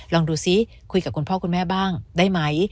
ลองดูซิคุยกับคุณพ่อคุณแม่บ้างได้ไหม